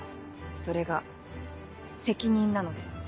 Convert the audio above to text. それが責任なので。